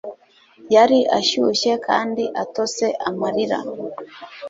yari ashyushye kandi atose amarira